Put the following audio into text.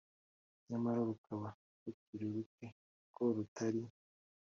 Nyamara rukaba rukiri ruke kuko rutari